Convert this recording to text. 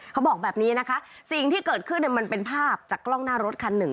เขาบอกแบบนี้นะคะสิ่งที่เกิดขึ้นมันเป็นภาพจากกล้องหน้ารถคันหนึ่ง